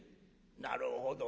なるほどな。